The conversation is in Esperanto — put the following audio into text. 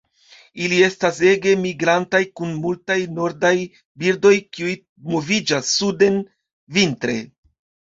Ili estas ege migrantaj, kun multaj nordaj birdoj kiuj moviĝas suden vintre.